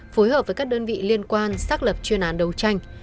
phối hợp với các đơn vị liên quan xác lập chuyên án đấu tranh